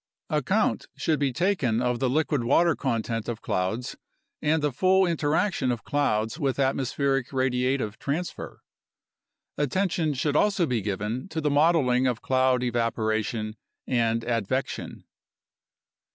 Account should be taken of the liquid water content of clouds and the full interaction of clouds with atmospheric radiative transfer. Attention should also be given to the modeling of cloud evaporation and advection.